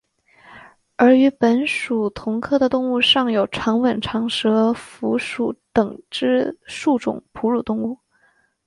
而与本属同科的动物尚有长吻长舌蝠属等之数种哺乳动物。